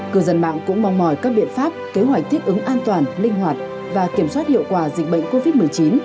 cư dân mạng cũng mong mỏi các biện pháp kế hoạch thích ứng an toàn linh hoạt và kiểm soát hiệu quả dịch bệnh covid một mươi chín